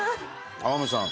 天海さん。